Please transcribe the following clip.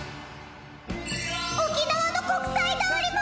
沖縄の国際通りも！